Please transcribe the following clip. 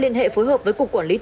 nhập khẩu new zealand